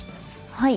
はい。